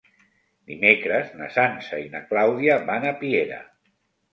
Dimecres na Sança i na Clàudia van a Piera.